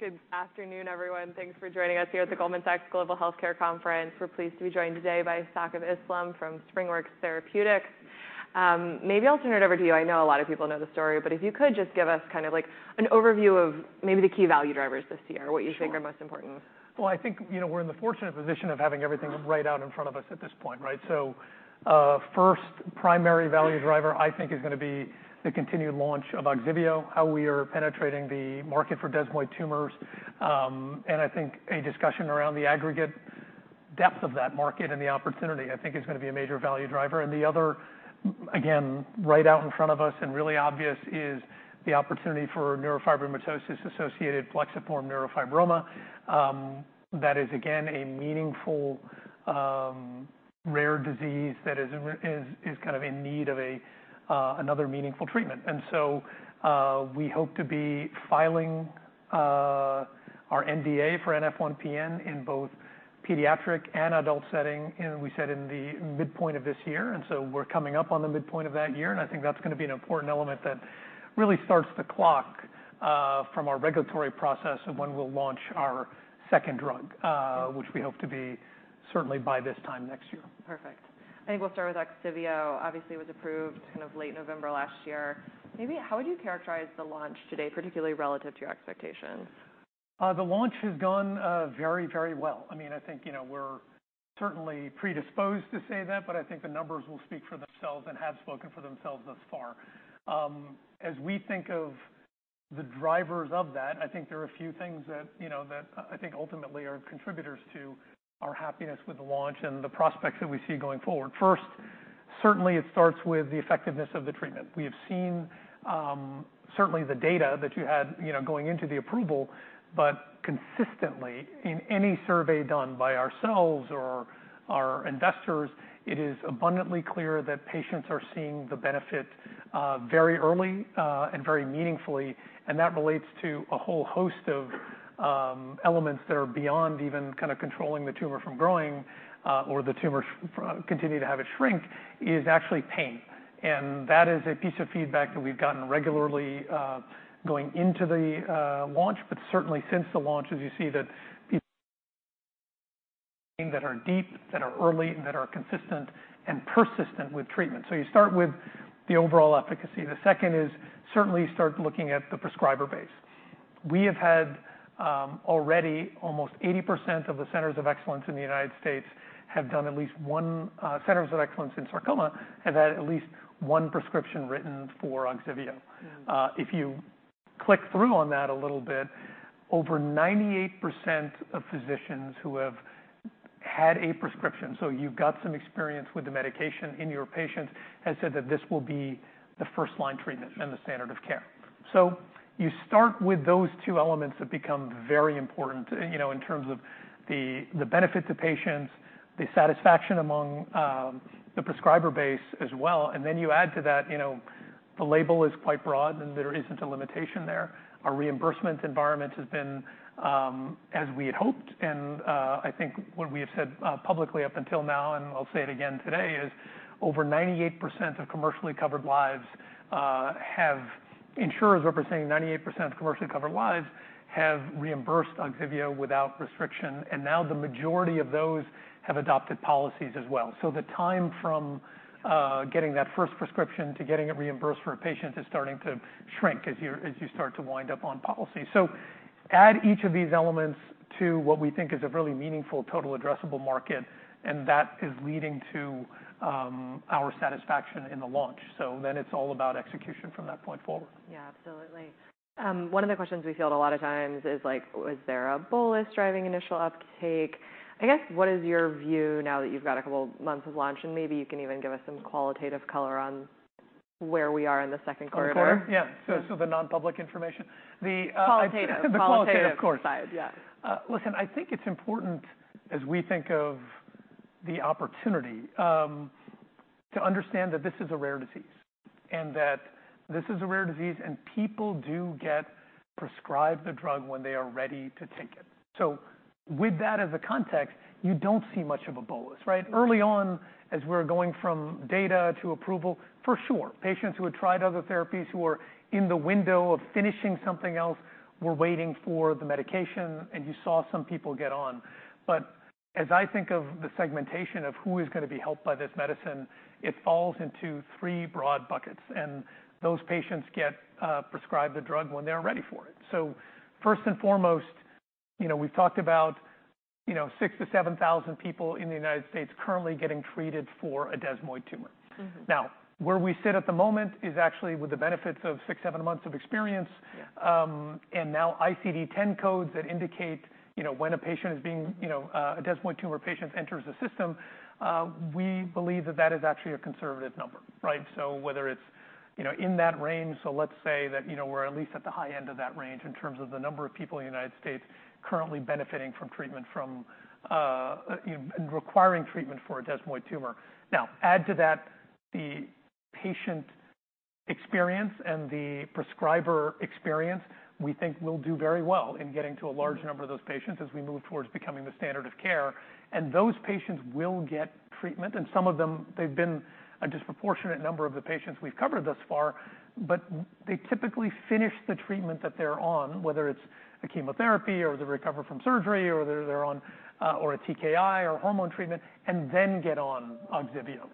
Good afternoon everyone. Thanks for joining us here at the Goldman Sachs Global Healthcare Conference. We're pleased to be joined today by Saqib Islam from SpringWorks Therapeutics. Maybe I'll turn it over to you. I know a lot of people know the story, but if you could just give us kind of like an overview of maybe the key value drivers this year, what you think are most important. Well, I think we're in the fortunate position of having everything right out in front of us at this point. Right. So first primary value driver I think is going to be the continued launch of Ogsiveo, how we are penetrating the market for desmoid tumors. And I think a discussion around the aggregate depth of that market and the opportunity I think is going to be a major value driver. And the other again right out in front of us and really obvious is the opportunity for neurofibromatosis associated plexiform neurofibroma. That is again a meaningful rare disease that is kind of in need of another meaningful treatment. And so we hope to be filing our NDA for NF1-PN in both pediatric and adult setting. And we said in the midpoint of this year. And so we're coming up on the midpoint of that year. I think that's going to be an important element that really starts the clock from our regulatory process of when we'll launch our second drug, which we hope to be certainly by this time next year. Perfect. I think we'll start with Ogsiveo. Obviously it was approved kind of late November last year maybe. How would you characterize the launch today, particularly relative to your expectations? The launch has gone very, very well. I mean, I think, you know, we're certainly predisposed to say that, but I think the numbers will speak for themselves and have spoken for themselves thus far. As we think of the drivers of that, I think there are a few things that, you know, that I think ultimately are contributors to our happiness with the launch and the prospects that we see going forward. First, certainly it starts with the effectiveness of the treatment. We have seen certainly the data that you had, you know, going into the approval, but consistent in any survey done by ourselves or our investors, it is abundantly clear that patients are seeing the benefit very early and very meaningfully. And that relates to a whole host of elements that are beyond even kind of controlling the tumor from growing or the tumor continue to have it shrink is actually pain. And that is a piece of feedback that we've gotten regularly going into the launch. But certainly since the launch, as you see that people that are deep, that are early and that are consistent and persistent with treatment. So you start with the overall efficacy. The second is certainly start looking at the prescriber base. We have had already. Almost 80% of the centers of excellence in the United States have done at least one. Centers of excellence in desmoid sarcoma have had at least one prescription written for Ogsiveo. If you click through on that a little bit, over 98% of physicians who have had a prescription, so you've got some experience with the medication in your patient, has said that this will be the first line treatment and the standard of care. So you start with those two elements that become very important, you know, in terms of the benefit to patients, the satisfaction among the prescriber base as well. And then you add to that, you know, the label is quite broad and there isn't a limitation there. Our reimbursement environment has been as we had hoped. And I think what we have said publicly up until now, and I'll say it again today, is over 98% of commercially covered lives have. Insurers representing 98% of commercially covered lives have reimbursed Ogsiveo without restriction. And now the majority of those have adopted policies as well. So the time from getting that first prescription to getting it reimbursed for a patient is starting to shrink as you start to wind up on policy. So add each of these elements to what we think is a really meaningful total addressable market and that is leading to our satisfaction in the launch. So then it's all about execution from that point forward. Yeah, absolutely. One of the questions we field a lot of times is like, is there a bolus driving initial uptake? I guess. What is your view now that you've got a couple months and maybe you can even give us some qualitative color on where we are in the second quarter? Yeah, so the non-public information policies. The policy side. Yeah, listen, I think it's important as we think of the opportunity to understand that this is a rare disease and that this is a rare disease and people do get prescribed the drug when they are ready to take it. So with that as a context, you don't see much of a bolus. Right. Early on as we're going from data to approval, for sure, patients who had tried other therapies who were in the window of finishing something else were waiting for the medication and you saw some people get on. But as I think of the segmentation of who is going to be helped by this medicine, it falls into three broad buckets. And those patients get prescribed the drug when they're ready for it. First and foremost, we've talked about 6,000-7,000 people in the United States currently getting treated for a desmoid tumor. Now, where we sit at the moment is actually with the benefits of 6-7 months of experience. And now ICD-10 codes that indicate, you know, when a patient is being, you know, a desmoid tumor patient enters the system. We believe that that is actually a conservative number. Right. So whether it's, you know, in that range. So let's say that, you know, we're at least at the high end of that range in terms of the number of people in the United States currently benefiting from treatment, from requiring treatment for a desmoid tumor. Now, add to that the patient experience. The prescriber experience, we think, will do very well in getting to a large number of those patients as we move towards becoming the standard of care. Those patients will get treatment. Some of them, they've been a disproportionate number of the patients we've covered thus far, but they typically finish the treatment that they're on, whether it's a chemotherapy or they recover from surgery or they're on or a TKI or hormone treatment and then get on Ogsiveo.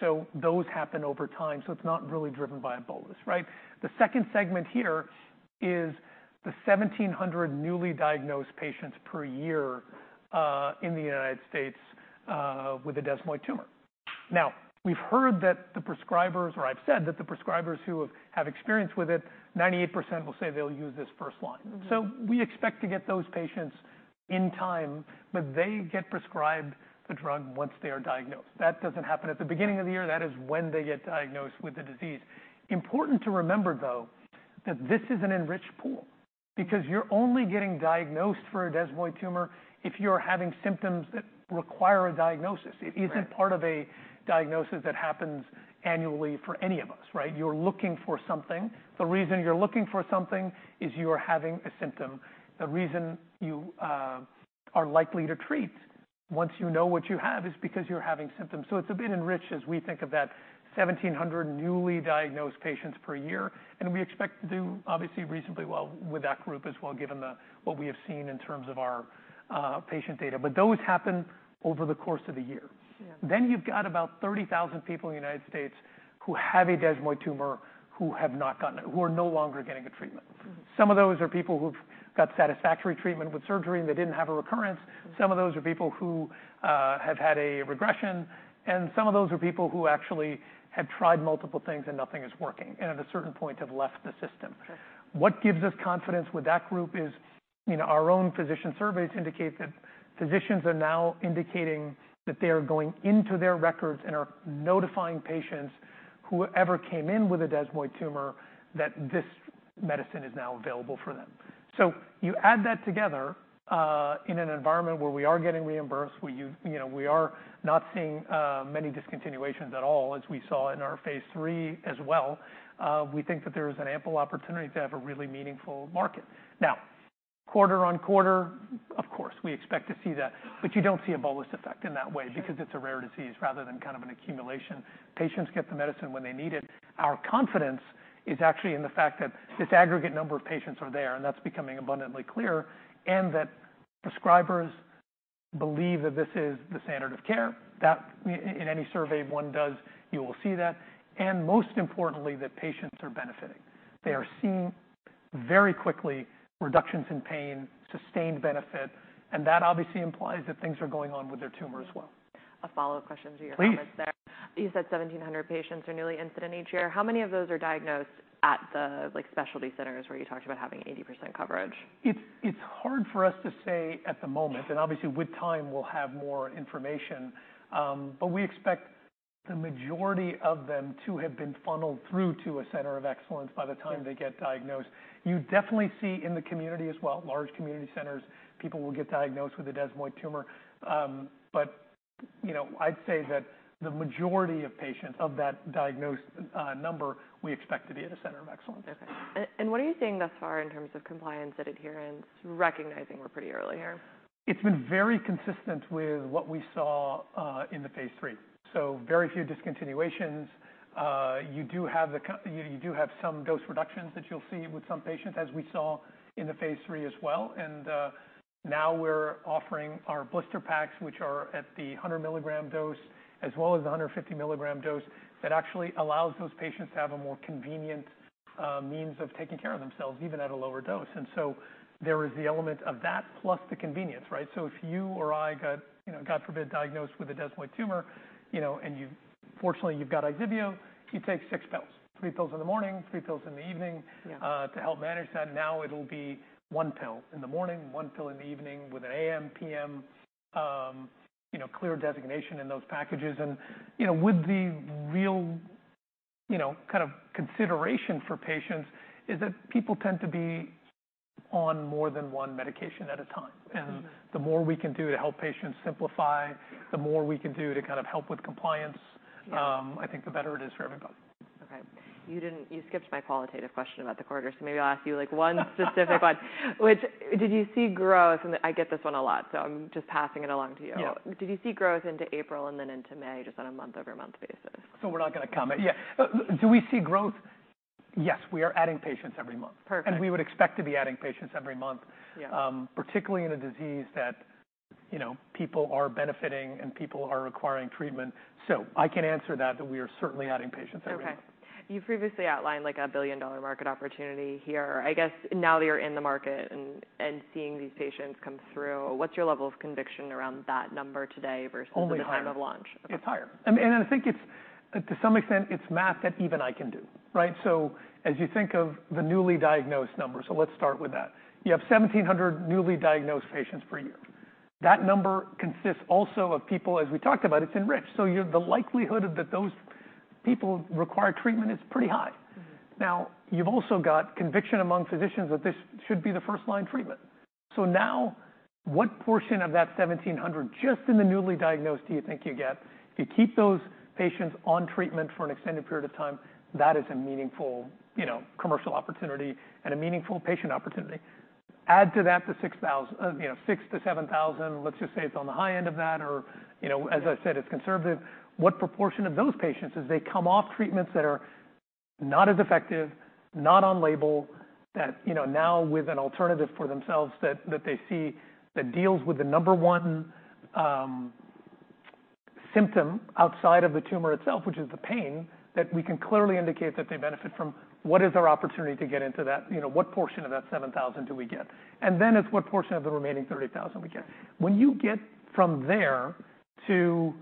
So those happen over time. It's not really driven by a bolus. Right. The second segment here is the 1,700 newly diagnosed patients per year in the United States with a desmoid tumor. Now, we've heard that the prescribers, or I've said that the prescribers who have experience with it, 98% will say they'll use this first line. So we expect to get those patients in time, but they get prescribed the drug once they are diagnosed. That doesn't happen at the beginning of the year. That is when they get diagnosed with the disease. Important to remember, though, that this is an enriched pool because you're only getting diagnosed for a desmoid tumor if you're having symptoms that require a diagnosis. It isn't part of a diagnosis. That happens annually for any of us. Right. You're looking for something. The reason you're looking for something is you are having a symptom. The reason you are likely to treat once you know what you have is because you're having symptoms. So it's a bit enriched, as we think of that, 1,700 newly diagnosed patients per year. And we expect to do obviously reasonably well with that group as well, given what we have seen in terms of our patient data, but those happen over the course of the year. Then you've got about 30,000 people in the United States who have a desmoid tumor, who have not gotten it, who are no longer getting a treatment. Some of those are people who've got satisfactory treatment with surgery and they didn't have a recurrence. Some of those are people who have had a regression and some of those are people who actually have tried multiple things and nothing is working and at a certain point have left the system. What gives us confidence with that group is our own physician. Surveys indicate that physicians are now indicating that they are going into their records and are notifying patients, whoever came in with a Desmoid Tumor that this medicine is now available for them. So you add that together in an environment where we are getting reimbursed. You know, we are not seeing many discontinuations at all as we saw in our phase III as well. We think that there is an ample opportunity to have a really meaningful market now, quarter-over-quarter, of course we expect to see that. But you don't see a bolus effect in that way because it's a rare disease rather than kind of an accumulation. Patients get the medicine when they need it. Our confidence is actually in the fact that this aggregate number of patients are there and that's becoming abundantly clear and that prescribers believe that this is the standard of care that in any survey one does, you will see that, and most importantly that patients are benefiting. They are seeing very quickly reductions in pain, sustained benefit, and that obviously implies that things are going on with their tumor as well. A follow up question to your comments there. You said 1700 patients are newly incident each year. How many of those are diagnosed at the specialty centers where you talked about having 80% coverage? It's hard for us to say at the moment and obviously with time we'll have more information, but we expect the majority of them to have been funneled through to a center of excellence by the time they get diagnosed. You definitely see in the community as well, large community centers, people will get diagnosed with a desmoid tumor. But you know, I'd say that the majority of patients of that diagnosed number we expect to be at a center of excellence. What are you seeing thus far in terms of compliance and adherence, recognizing we're pretty early here. It's been very consistent with what we saw in the phase III. So very few discontinuations. You do have some dose reductions that you'll see with some patients. As we saw in the phase III as well. And now we're offering our blister packs, which are at the 100 milligram dose as well as 150 milligram dose. That actually allows those patients to have a more convenient means of taking care of themselves, even at a lower dose. And so there is the element of that plus the convenience. Right. So if you or I got, you know, God forbid, diagnosed with a desmoid tumor, you know, and you, fortunately, you've got Ogsiveo, you take six pills, three pills in the morning, three pills in the evening to help manage that. Now it'll be one pill in the morning, one pill in the evening with an A.M. P.M., you know, clear designation in those packages and, you know, with the real, you know, kind of consideration for patients is that people tend to be on more than one medication at a time. The more we can do to help patients simplify, the more we can do to kind of help with compliance, I think the better it is for everybody. Okay, you skipped my qualitative question about the quarter. So maybe I'll ask you like one specific one. Did you see growth? And I get this one a lot, so I'm just passing it along to you. Did you see growth into April and then into May, just on a month-over-month basis? So we're not going to comment. Yeah. Do we see growth? Yes, we are adding patients every month and we would expect to be adding patients every month, particularly in a disease that, you know, people are benefiting and people are requiring treatment. So I can answer that, that we are certainly adding patients everywhere. You've previously outlined like a $1 billion market opportunity here. I guess now that you're in the market and seeing these patients come through, what's your level of conviction around that number today versus the time of launch? It's higher. And I think it's to some extent it's math that even I can do. Right. So as you think of the newly diagnosed number, so let's start with that. You have 1,700 newly diagnosed patients per year. That number consists also of people, as we talked about, it's enriched. So the likelihood that those people require treatment is pretty high. Now you've also got conviction among physicians that this should be the first line treatment. So now what portion of that 1,700 just in the newly diagnosed do you think you get? If you keep those patients on treatment for an extended period of time, that is a meaningful, you know, commercial opportunity and a meaningful patient opportunity. Add to that the 6,000, you know, 6,000-7,000. Let's just say it's on the high end of that, or, you know, as I said, it's conservative. What proportion of those patients as they come off treatments that are not as effective, not on label, that, you know, now with an alternative for themselves that they see that deals with the number one symptom outside of the tumor itself, which is the pain that we can clearly indicate that they benefit from. What is our opportunity to get into that? You know, what portion of that 7,000 do we get? And then it's what portion of the remaining 30,000 we get when you get from there to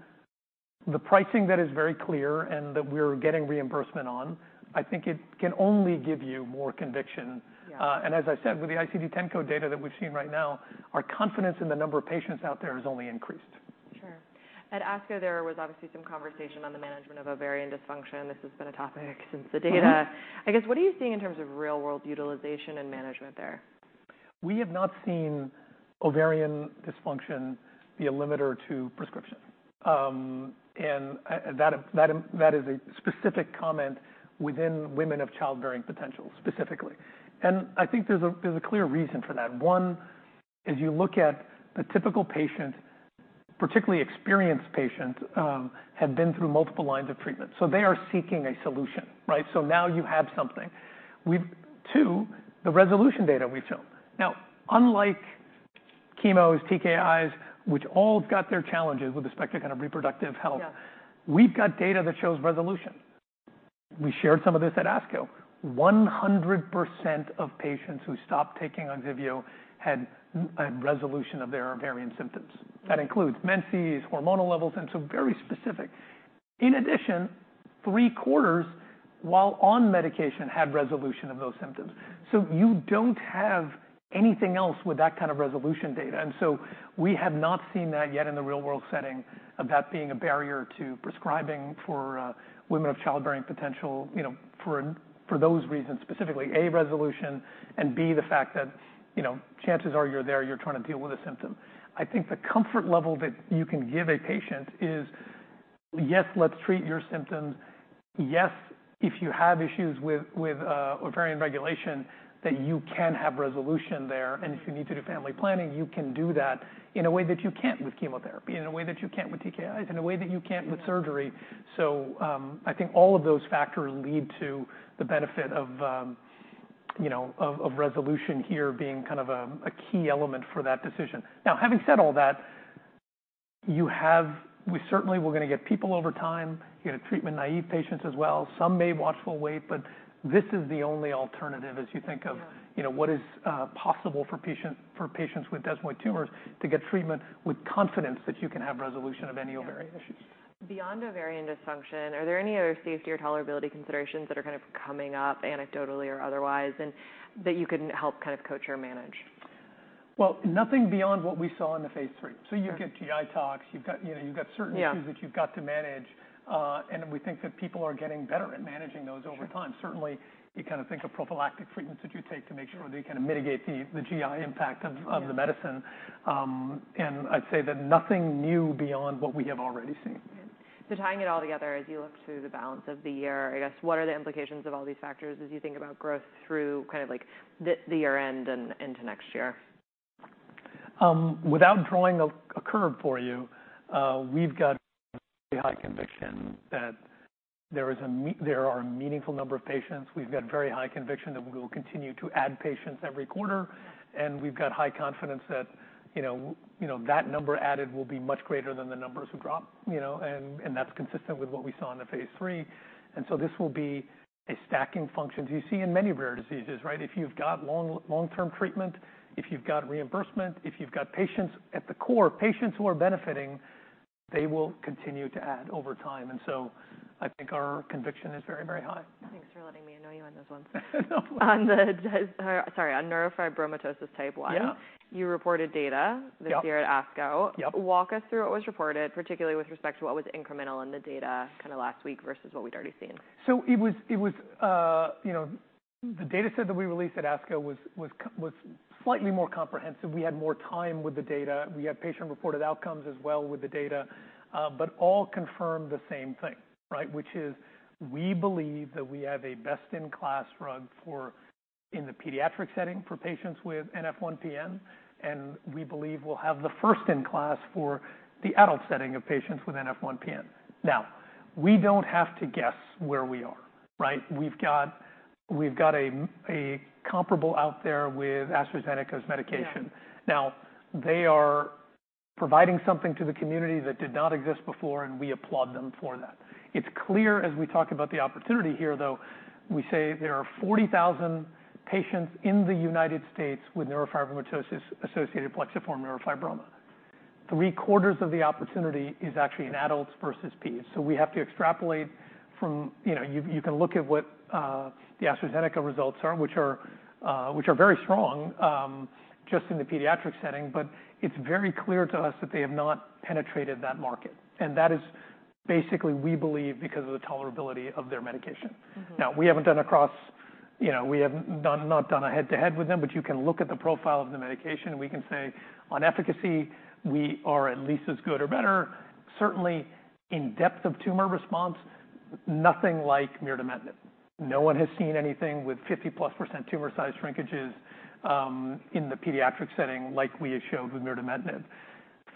the pricing that is very clear and that we're getting reimbursement on, I think it can only give you more conviction. As I said, with the ICD-10 code data that we've seen right now, our confidence in the number of patients out there has only increased. Sure. At ASCO, there was obviously some conversation on the management of ovarian dysfunction. This has been a topic since the data. I guess. What are you seeing in terms of real world utilization and management there? We have not seen ovarian dysfunction be a limiter to prescription. That is a specific comment within women of childbearing potential specifically. I think there's a clear reason for that. One is you look at the typical patient, particularly experienced patients had been through multiple lines of treatment. So they are seeking a solution. Right. So now you have something. Two, the resolution data we have. Now, unlike chemo TKIs, which all got their challenges with respect to kind of reproductive health, we've got data that shows resolution. We shared some of this. At ASCO, 100% of patients who stopped taking Ogsiveo had resolution of their ovarian symptoms. That includes menses, hormonal levels, and so very specific. In addition, 3/4 while on medication had resolution of those symptoms. So you don't have anything else with that kind of resolution data. So we have not seen that yet in the real world setting of that being a barrier to prescribing for women of childbearing potential, you know, for those reasons, specifically a resolution and B, the fact that chances are you're there, you're trying to deal with a symptom. I think the comfort level that you can give a patient is, yes, let's treat your symptoms. Yes, if you have issues with ovarian regulation that you can have resolution there, and if you need to do family planning, you can do that in a way that you can't with chemotherapy, in a way that you can't with TKIs, in a way that you can't with surgery. So I think all of those factors lead to the benefit of, you know, of resolution here being kind of a key element for that decision. Now, having said all that you have we certainly, we're going to get people over time, you're going to treatment naive patients as well. Some may watch full wait, but this is the only alternative. As you think of, you know, what is possible for patient, for patients with desmoid tumors to get treatment with confidence that you can have resolution of any ovarian issue. Beyond ovarian dysfunction? Are there any other safety or tolerability considerations that are kind of coming up, anecdotally or otherwise, that you can help kind of coach or manage? Well, nothing beyond what we saw in the phase III. So you get GI tox, you've got, you know, you've got certain issues that you've got to manage. And we think that people are getting better at managing those over time. Certainly you kind of think of prophylactic treatments that you take to make sure that you kind of mitigate the GI impact of the medicine. And I'd say that nothing new beyond what we have already seen. Tying it all together, as you look through the balance of the year, I guess what are the implications of all these factors as you think about growth through kind of like the year end into next year. Without drawing a curve for you we've got high conviction that there are a meaningful number of patients. We've got very high conviction that we will continue to add patients every quarter. We've got high confidence that, you know, that number added will be much greater than the numbers who drop, you know, and that's consistent with what we saw in the phase III. This will be a stacking function you see in many rare diseases, right? If you've got long term treatment, if you've got reimbursement, if you've got patients at the core, patients who are benefiting, they will continue to add over time. I think our conviction is very, very high. Thanks for letting me annoy you on those ones. Sorry. On neurofibromatosis type 1, you reported data this year at ASCO. Walk us through what was reported, particularly with respect to what was incremental in the data kind of last week versus what we'd already seen? So it was, you know, the data set that we released at ASCO was slightly more comprehensive. We had more time with the data. We had patient reported outcomes as well with the data, but all confirmed the same thing, right, which is we believe that we have a best in class drug for in the pediatric setting for patients with NF1-PN and we believe we'll have the first in class for the adult setting of patients with NF1-PN. Now we don't have to guess where we are, right. We've got a comparable out there with AstraZeneca's medication. Now they are providing something to the community that did not exist before, and we applaud them for that. It's clear as we talk about the opportunity here, though we say there are 40,000 patients in the United States with neurofibromatosis-associated plexiform neurofibroma. Three quarters of the opportunity is actually in adults versus peds. So we have to extrapolate from, you know, you can look at what the AstraZeneca results are, which are very strong just in the pediatric setting. But it's very clear to us that they have not penetrated that market. And that is basically, we believe, because of the tolerability of their medication. Now we haven't done across, you know, we have not done a head-to-head with them, but you can look at the profile of the medication. We can say on efficacy we are at least as good or better, certainly in depth of tumor response, nothing like mirdametinib. No one has seen anything with 50%+ tumor size shrinkages in the pediatric setting like we showed with mirdametinib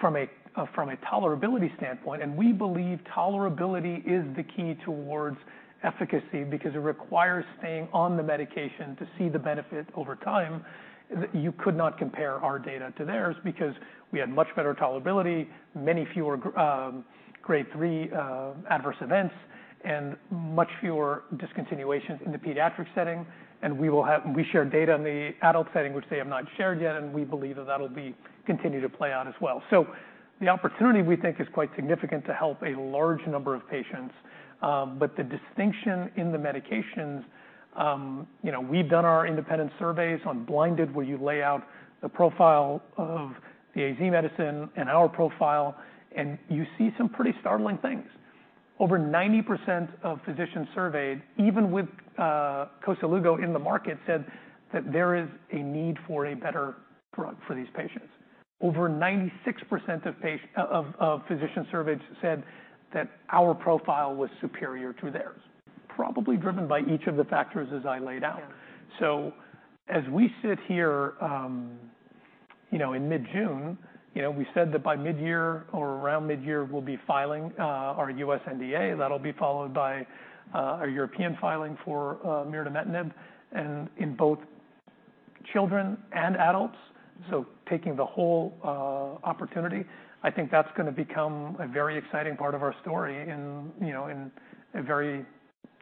from a tolerability standpoint. We believe tolerability is the key towards efficacy because it requires staying on the medication to see the benefit over time. You could not compare our data to theirs because we had much better tolerability, many fewer grade 3 adverse events and much fewer discontinuations in the pediatric setting. We share data on the adult setting which, which they have not shared yet. We believe that that'll be continue to play out as well. The opportunity we think is quite significant to help a large number of patients. But the distinction in the medications, you know, we've done our independent surveys on blinded where you lay out the profile of the AZ medicine and our profile and you see some pretty startling things. Over 90% of physicians surveyed even with in the market said that there is a need for a better drug for these patients. Over 96% of physician surveyed said that our profile was superior to theirs. Probably driven by each of the factors as I laid out. So as we sit here, you know, in mid-June, you know, we said that by mid-year or around mid-year, we'll be filing our U.S. NDA. That'll be followed by our European filing for mirdametinib in both children and adults taking the whole opportunity, I think that's going to become a very exciting part of our story in, you know, in a very,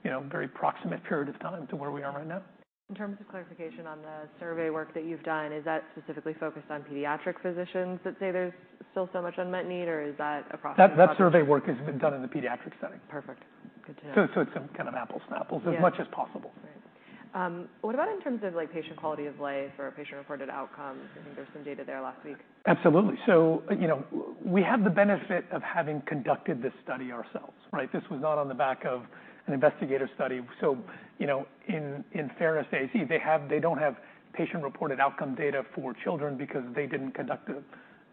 you know, very proximate period of time to where we are right now. In terms of clarification on the survey work that you've done, is that specifically focused on pediatric physicians that say there's still so much unmet need or is? That approximately survey work has been done in the pediatric setting. Perfect. Good to know. It's some kind of apple to apples as much as possible. What about in terms of like patient quality of life or patient reported outcomes? I think there's some data there last week. Absolutely. So, you know, we have the benefit of having conducted this study ourselves. Right. This was not on the back of an investigative study. So, you know, in fairness, AstraZeneca, they don't have patient reported outcome data for children because they didn't conduct it.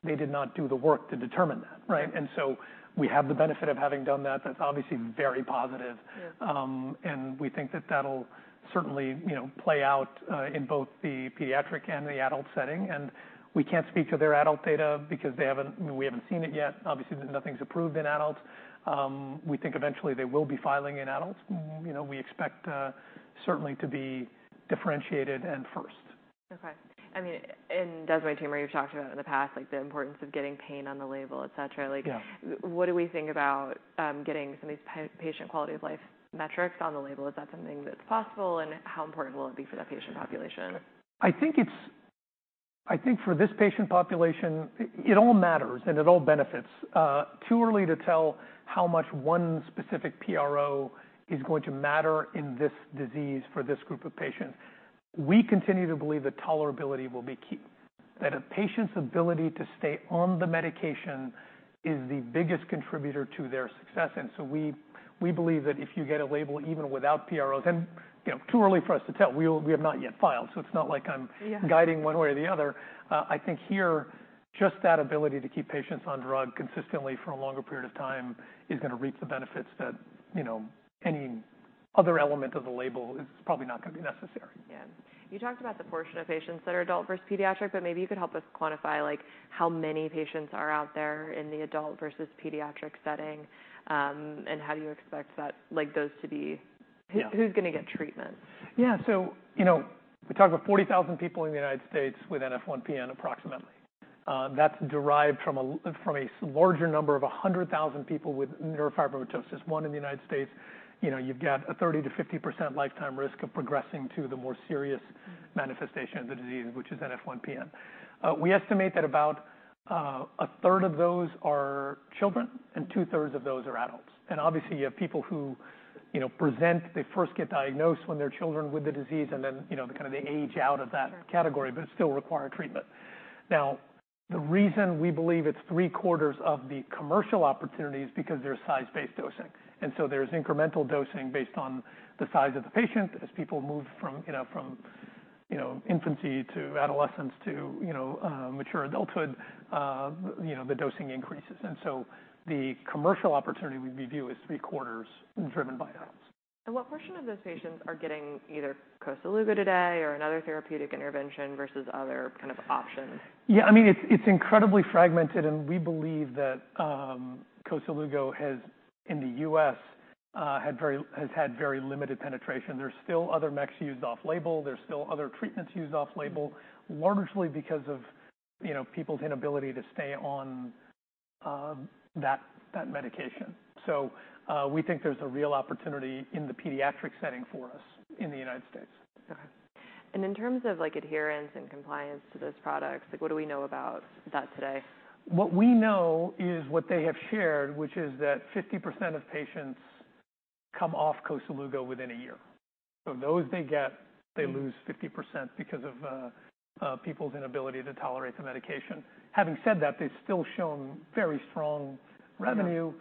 They did not do the work to determine that. Right. And so we have the benefit of having done that that's obviously very positive. And we think that that'll certainly, you know, play out in both the pediatric and the adult setting. And we can't speak to their adult data because they haven't, we haven't seen it yet. Obviously nothing's approved in adults. We think eventually they will be filing in adults. You know, we expect certainly to be differentiated first. Okay, I mean, in desmoid tumor, you've talked about in the past, like the importance of getting pain on the label, et cetera, like, think about getting some of these patient quality of life metrics on the label. Is that something that's possible and how important will it be for that patient population? I think it's, I think for this Patient population, it all matters and it all benefits. Too early to tell how much one specific PRO is going to matter in this disease for this group of patients, we continue to believe that tolerability will be key, that a patient's ability to stay on the medication and is the biggest contributor to their success. And so we, we believe that if you get a label even without PROs, and, you know, too early for us to tell, we have not yet filed. So it's not like I'm guiding one way or the other. I think here just that ability to keep patients on drug consistently for a longer period of time is going to reap the benefits that, you know, any other element of the label is probably not going to be necessary. Yeah, you talked about the portion of patients that are adult versus pediatric, but maybe you could help us quantify like how many patients are out there in the adult versus pediatric setting. And how do you expect that, like those to be, who's going to get treatment? Yeah. So, you know, we talk about 40,000 people in the United States with NF1-PN approximately. That's derived from a larger number of 100,000 people with neurofibromatosis 1 in the United States. You know, you've got a 30%-50% lifetime risk of progressing to the more serious manifestation of the disease, which is NF1-PN. We estimate that about a third of those are children and 2/3 of those are adults. And obviously you have people who, you know, present. They first get diagnosed when they're children with the disease and then, you know, kind of they age out of that category but still require treatment. Now, the reason we believe it's three quarters of the commercial opportunity is because there's size-based dosing and so there's incremental dosing based on the size of the patient. As people move from infancy to adolescence to mature adulthood, the dosing increases. So the commercial opportunity we view is 3/4 driven by adults. What portion of those patients are getting either Koselugo today or another therapeutic intervention versus other kind of options? Yeah, I mean, it's incredibly fragmented. And we believe that has in the U.S. has had very limited penetration. There's still other MEKs used off-label, there's still other treatments used off-label largely because of, you know, people's inability to stay on that medication. We think there's a real opportunity in the pediatric setting for us in the United States. In terms of like, adherence and compliance to those products, like, what do we know about that today? What we know is what they have shared, which is that 50% of patients come off Koselugo within a year. So those they get, they lose 50% because of people's inability to tolerate the medication. Having said that, they've still shown very strong revenue,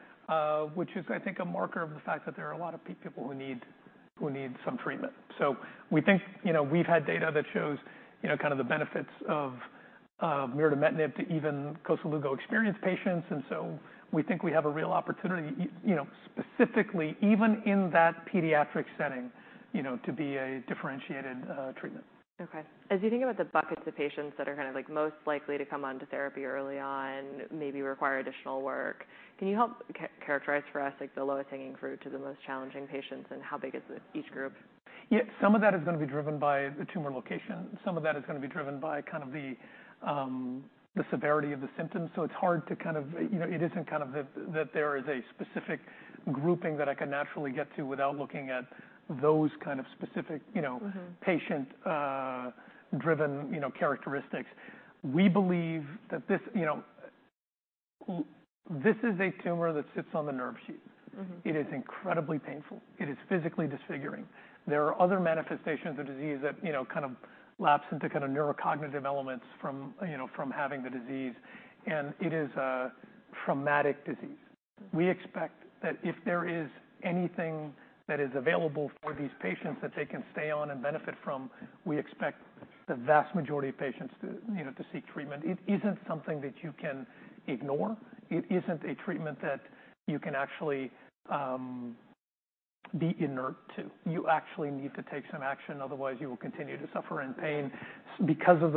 which is, I think, a marker of the fact that there are a lot of people who need, who need some treatment. So we think, you know, we've had data that shows, you know, kind of the benefits of mirdametinib to even Koselugo experienced patients. And so we think we have a real opportunity, you know, specifically, even in that pediatric setting, you know, to be a differentiated treatment. Okay. As you think about the buckets of patients that are kind of like most likely to come onto therapy early on, maybe require additional work. Can you help characterize for us like the lowest hanging fruit to the most challenging patients and how big is each group? Yeah, some of that is gonna be driven by the tumor location. Some of that is gonna be driven by kind of the severity of the symptoms. So it's hard to kind of, you know, it isn't kind of that. There is a specific grouping that I can naturally get to without looking at those kind of specific, you know, patient driven, you know, characteristics. We believe that this, you know, this is a tumor that sits on the nerve sheath. It is incredibly painful. It is physically disfiguring. There are other manifestations of disease that, you know, kind of lapse into kind of neurocognitive elements from, you know, from having the disease. It is a traumatic disease. We expect that if there is anything that is available for these patients that they can stay on and benefit from, we expect the vast majority of patients to, you know, to seek treatment. It isn't something that you can ignore. It's. It isn't a treatment that you can actually be inert to. You actually need to take some action. Otherwise you will continue to suffer in pain because of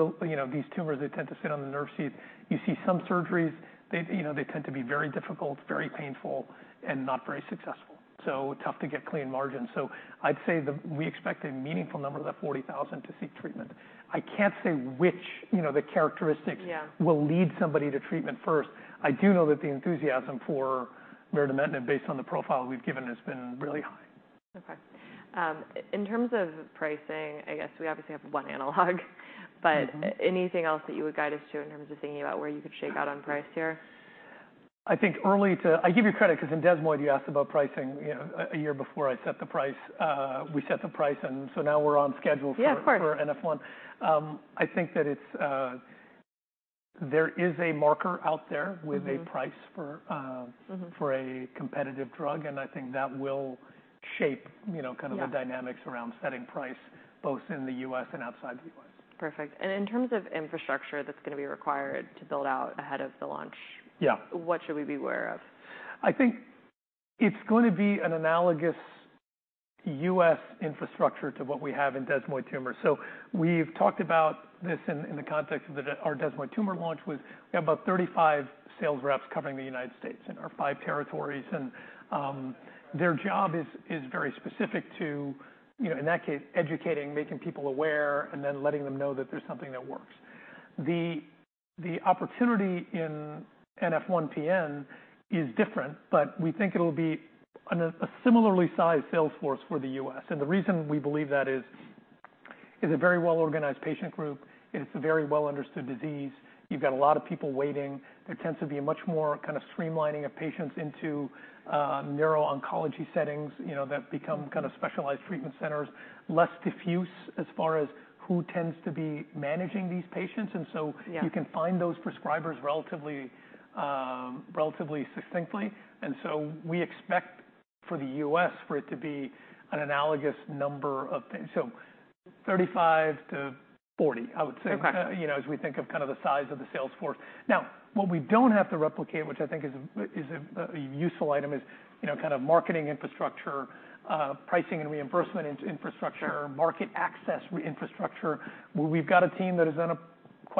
these tumors. They tend to sit on the nerve sheath. You see some surgeries, they tend to be very difficult, very painful, and not very successful. So tough to get clean margins. I'd say we expect a meaningful number of the 40,000 to seek treatment. I can't say which, you know, the characteristics will lead somebody to treatment first. I do know that the enthusiasm for mirdametinib based on the profile we've given has been really high. In terms of pricing, I guess we obviously have one analog, but anything else that you would guide us to in terms of thinking about where you could shake out on price here. I think early to—I give you credit because in desmoid, you asked about pricing a year before. I set the price. We set the price. And so now we're on schedule, of course. And NF1, I think that it's. There is a marker out there with a price for. For a competitive drug. And I think that will shape, you know, kind of the dynamics around setting price both in the U.S. and outside the U.S. Perfect. In terms of infrastructure that's going to be required to build out ahead of the launch. Yeah. What should we be aware of? I think it's going to be an analogous U.S. infrastructure to what we have in desmoid tumors. So we've talked about this in the context of our desmoid tumor launch was about 35 sales reps covering the United States in our five territories. And their job is very specific to, you know, in that case, educating, making people aware and then letting them know that there's something that works. The opportunity in NF1-PN is different, but we think it'll be a similarly sized sales force for the US and the reason we believe that is it's a very well organized patient group, it's a very well understood disease. You've got a lot of people waiting. There tends to be a much more kind of streamlining of patients into neuro oncology settings, you know, that become kind of specialized treatment centers, less diffuse as far as who tends to be managing these patients. And so you can find those prescribers relatively, relatively succinctly. We expect for the U.S. for it to be an analogous number of things 35-40, I would say—you know, as we think of kind of the size of the sales force now, what we don't have to replicate, which I think is a useful item, is, you know, kind of marketing infrastructure, pricing and reimbursement infrastructure, market access, reimbursement infrastructure. We've got a team that has done quite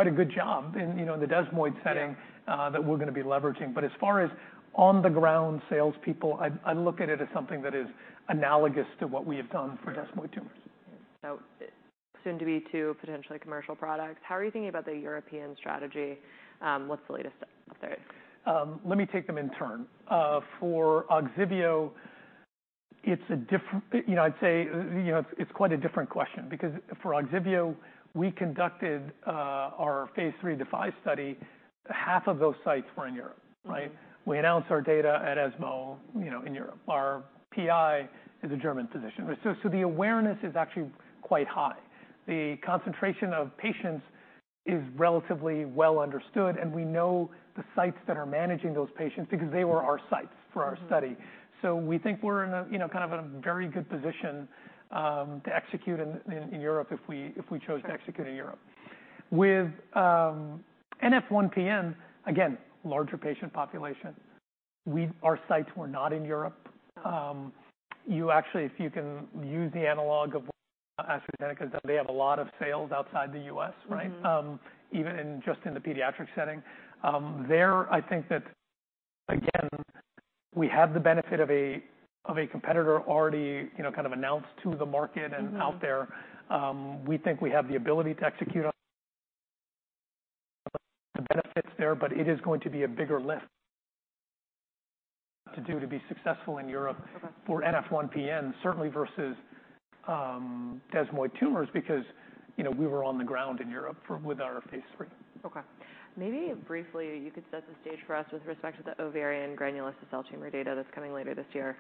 a good job in the desmoid setting that we're going to be leveraging. But as far as on the ground salespeople, I look at it as something that is analogous to what we have done for desmoid tumors. Soon to be two potentially commercial products. How are you thinking about the European strategy? What's the latest update? Let me take them in turn for Ogsiveo, it's a different, you know I'd say it's quite a different question because for Ogsiveo, we conducted our phase III study, half of those sites were in Europe, right? We announced our data at ESMO, you know, in Europe. Our PI is a German physician, so the awareness is actually quite high. The concentration of patients is relatively well understood. And we know the sites that are managing those patients because they were our sites for our study. So we think we're in kind of a very good position to execute in Europe. If we chose to execute in Europe with NF1-PN, again, larger patient population, our sites were not in Europe. You actually, if you can use the analog of what AstraZeneca, they have a lot of sales outside the U.S., right? Even just in the pediatric setting there. I think that again, we have the benefit of a competitor already kind of announced to the market and out there. We think we have the ability to execute on the benefits there, but it is going to be a bigger lift to do to be successful in Europe for NF1-PN certainly versus desmoid tumors because we were on the ground in Europe with our phase III. Okay. Maybe briefly you could set the stage for us with respect to the ovarian granulosa cell tumor data that's coming later this year.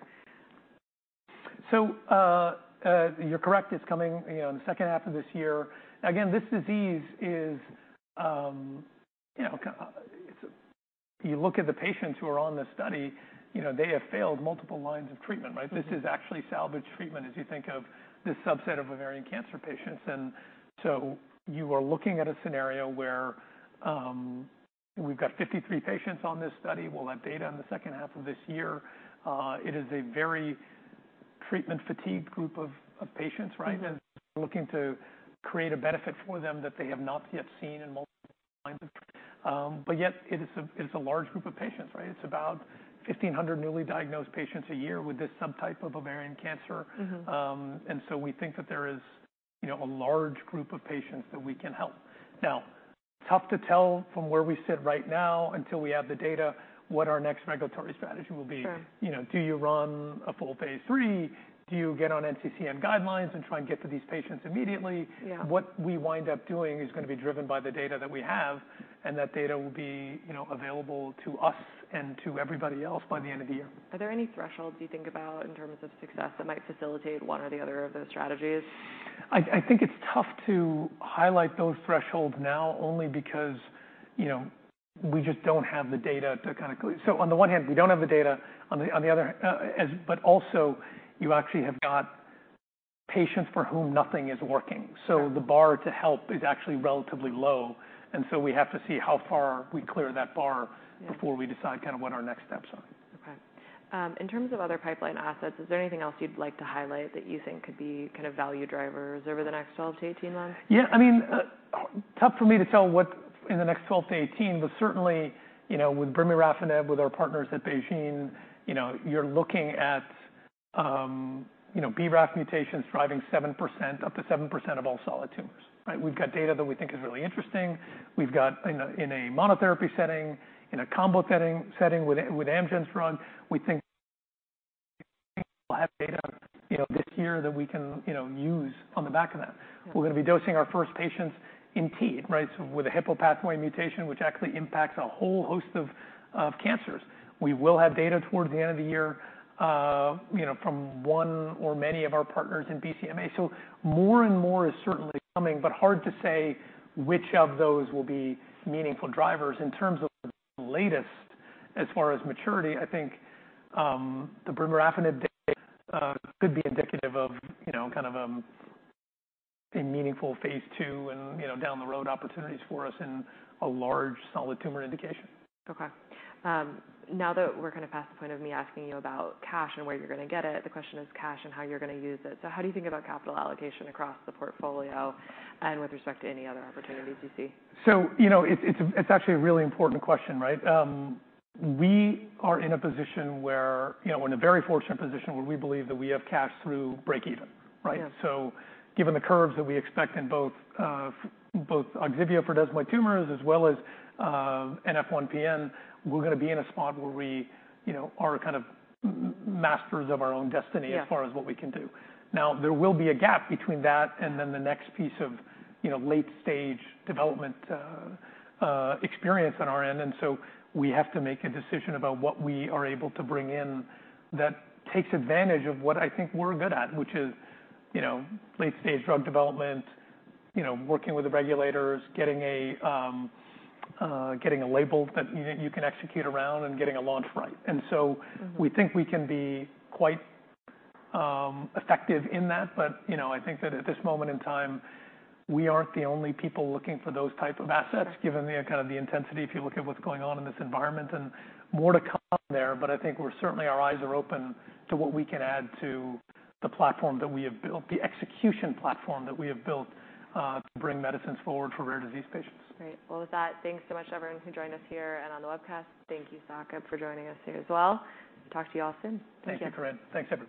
You're correct, it's coming in the second half of this year. Again, this disease is, you know, you look at the patients who are on this study, you know, they have failed multiple lines of treatment. Right. This is actually salvage treatment as you think of this subset of ovarian cancer patients. And so you are looking at a scenario where we've got 53 patients on this study. We'll have data in the second half of this year. It is a very treatment fatigue group of patients. Right. And looking to create a benefit for them that they have not yet seen in multiple. But yet it is a large group of patients, right? It's about 1,500 newly diagnosed patients a year with this subtype of ovarian cancer. And so we think that there is a large group of patients that we can help now. Tough to tell from where we sit right now until we have the data, what our next regulatory strategy will be. Do you run a full phase III? Do you get on NCCN guidelines and try and get to these patients immediately? What we wind up doing is going to be driven by the data that we have, and that data will be available to us and to everybody else by the end of the year. Are there any thresholds you think about in terms of success that might facilitate one or the other of those strategies? I think it's tough to highlight those thresholds now only because, you know, we just don't have the data to kind of. So on the one hand, we don't have the data on the other but also, you actually have got patients for whom nothing is working. The bar to help is actually relatively low. We have to see how far we clear that bar before we decide kind of what our next steps are. Okay. In terms of other pipeline assets, is there anything else you'd like to highlight that you think could be kind of value drivers over the next 12-18 months? Yeah, I mean, tough for me to tell what in the next 12-18. But certainly, you know, with brimarafenib, with our partners at BeiGene, you know, you're looking at, you know, BRAF mutations driving 7% up to 7% of all solid tumors. Right. We've got data that we think is really interesting. We've got in a monotherapy setting, in a combo setting with Amgen's drug, we think we'll have data this year that we can use on the back of that, we're going to be dosing our first patients in TEAD, right, with a Hippo pathway mutation which actually impacts a whole host of cancers. We will have data towards the end of the year from one or many of our partners in BCMA. So, more and more is certainly coming, but hard to say which of those will be meaningful drivers in terms of latest as far as maturity. I think the brimarafenib data could be indicative of, you know, kind of a meaningful phase II and you know, down the road opportunities for us in a large solid tumor indication. Okay, now that we're kind of past the point of me asking you about cash and where you're going to get it, the question is cash and how you're going to use. So how do you think about capital allocation across the portfolio and with respect to any other opportunities you see? So, you know, it's actually a really important question, right. We are in a position where, you know, in a very fortunate position where we believe that we have cash through break even. Right. So given the curves that we expect in both, both Ogsiveo for desmoid tumors as well as NF1PN, we're going to be in a spot where we, you know, are kind of masters of our own destiny as far as what we can do now. There will be a gap between that and then the next piece of, you know, late stage development experience on our end. And so we have to make a decision about what we are able to bring in. That takes advantage of what I think we're good at, which is, you know, late stage drug development, you know, working with the regulators, getting a label that you can execute around and getting a launch. Right. And so we think we can be quite effective in that. But you know, I think that at this moment in time, we aren't the only people looking for those type of assets. Given the kind of intensity, if you look at what's going on in this environment and more to come there. But I think we're certainly our eyes are open to what we can add to the platform that we have built, the execution platform that we have built to bring medicines forward for rare disease patients. Great. Well, with that, thanks so much everyone who joined us here and on the webcast. Thank you. Saqib for joining us as well. Talk to you all soon. Thank you, Corinne. Thanks, everybody.